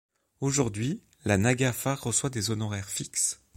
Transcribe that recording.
Aujourd’hui, la nagafa reçoit des honoraires fixes.